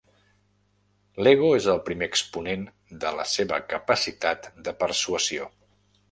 L'Ego és el primer exponent de la seva capacitat de persuassió.